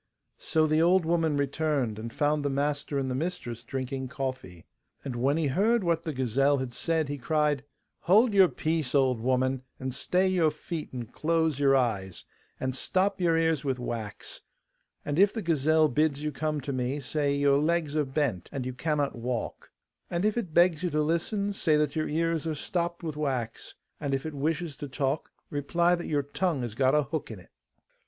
So the old woman returned, and found the master and the mistress drinking coffee. And when he heard what the gazelle had said, he cried: 'Hold your peace, old woman, and stay your feet and close your eyes, and stop your ears with wax; and if the gazelle bids you come to me, say your legs are bent, and you cannot walk; and if it begs you to listen, say your ears are stopped with wax; and if it wishes to talk, reply that your tongue has got a hook in it.